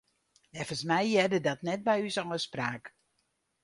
Neffens my hearde dat net by ús ôfspraak.